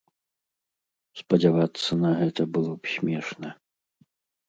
Спадзявацца на гэта было б смешна.